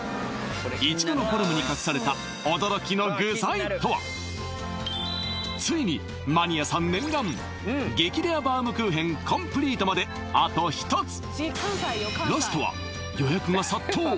イチゴのフォルムに隠された驚きの具材とはついにマニアさん念願激レアバウムクーヘンコンプリートまであと１つラストは予約が殺到